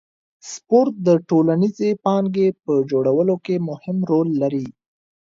سپورت د ټولنیزې پانګې په جوړولو کې مهم رول لري.